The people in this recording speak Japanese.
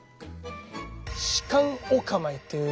仕官お構いっていう